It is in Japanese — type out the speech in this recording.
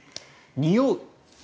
におう。